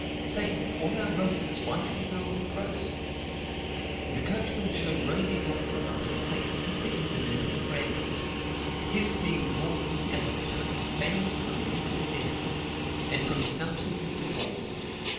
"Say, all our roses why should girls engross?" The coachman showed rosy blossoms on his face deeper even than his granddaughter's, his being drawn from the ale cask, Fanny's from youth and innocence, and from the fountains of the dawn.